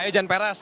ayo jangan peras